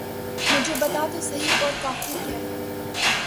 مجھے بتا تو سہی اور کافری کیا ہے!